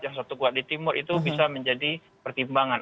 yang satu kuat di timur itu bisa menjadi pertimbangan